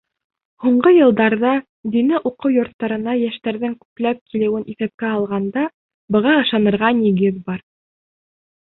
Һуңғы йылдарҙа дини уҡыу йорттарына йәштәрҙең күпләп килеүен иҫәпкә алғанда, быға ышанырға нигеҙ бар.